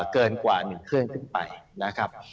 เกินกว่า๑เครื่องขึ้นไปนะครับ